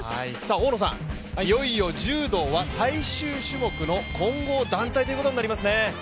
大野さん、いよいよ柔道は最終種目の混合団体となりますね。